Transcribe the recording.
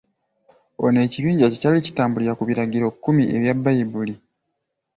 Ono ekibinja kye kyali kitambulirira ku biragiro kumi ebya Bbayibbuli .